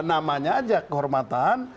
namanya saja kehormatan